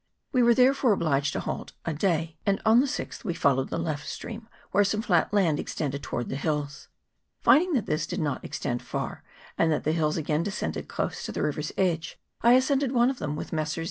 We were, therefore, obliged to halt a day, and on the 6th we followed the left stream, where some flat land extended towards the hills. Finding that this did not extend far, and that the hills again descended close to the river's edge, I ascended one of them with Messrs.